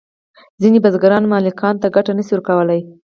ځینې بزګران مالکانو ته ګټه نشوای ورکولی.